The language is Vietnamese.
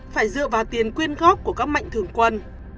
phải dựa vào tiền quyên góp của các mạnh thường quân